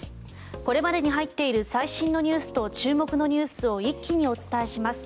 これまでに入っている最新ニュースと注目ニュースを一気にお伝えします。